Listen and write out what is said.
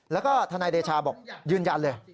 แล้วก็ทนายเดชาบอกยืนยันเลย